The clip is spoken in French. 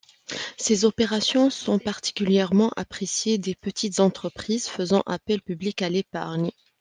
Ces opérations sont particulièrement appréciées des petites entreprises faisant appel public à l'épargne.